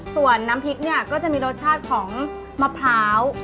ส่วนน้ำพริกเนี่ยก็จะมีรสชาติของมะพร้าว